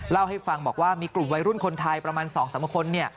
เล่าให้ฟังบอกว่ามีกลุ่มวัยรุ่นคนไทยประมาณ๒๓คน